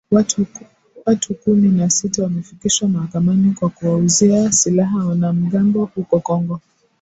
Watu kumi na sita wamefikishwa mahakamani kwa kuwauzia silaha wanamgambo huko Kongo